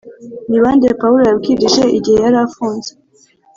Ni bande Pawulo yabwirije igihe yari afunze?